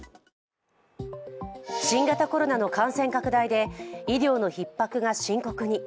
新型コロナの感染拡大で医療のひっ迫が深刻に。